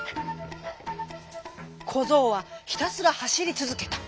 こぞうはひたすらはしりつづけた。